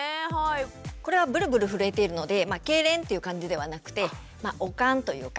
これはブルブル震えているのでけいれんっていう感じではなくて悪寒というか。